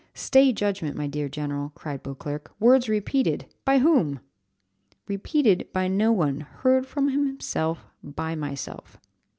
"Stay judgment, my dear general," cried Beauclerc; "words repeated! by whom?" "Repeated by no one heard from himself, by myself."